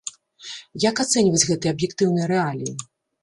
Як ацэньваць гэтыя аб'ектыўныя рэаліі?